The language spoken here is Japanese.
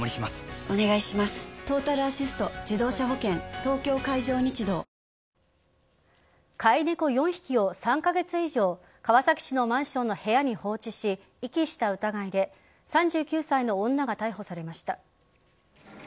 東京海上日動飼い猫４匹を３カ月以上川崎市のマンションの部屋に放置し、遺棄した疑いで３９歳の女が逮捕されました。